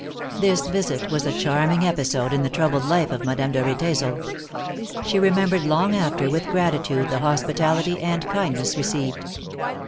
This visit was a charming episode in the troubled life of Madame de Riedesel. She remembered long after, with gratitude, the hospitality and kindness received.